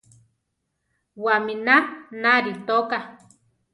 Wamína narí toká.